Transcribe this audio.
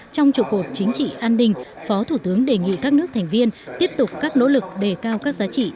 trong chủ cuộc chính trị an ninh phó thủ tướng đề nghị các nước thành viên tiếp tục các nỗ lực đề cao các giá trị